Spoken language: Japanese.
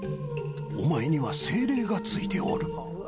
お前には精霊がついておる。